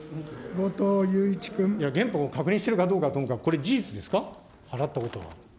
いや、原本確認してるかどうかはとにかく、これ、事実ですか、払ったことは。